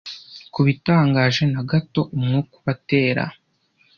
kubitangaje na gato umwuka ubatera